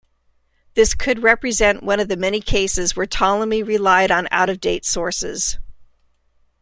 This could represent one of many cases where Ptolemy relied on out-of-date sources.